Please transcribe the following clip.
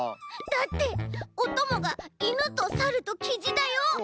だっておともがイヌとサルとキジだよ？